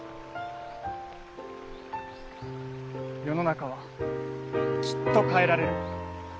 世の中はきっと変えられる。